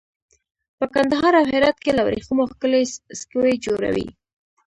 په کندهار او هرات کې له وریښمو ښکلي سکوي جوړوي.